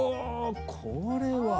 これは。